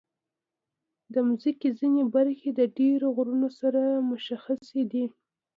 د مځکې ځینې برخې د ډېرو غرونو سره مشخصې دي.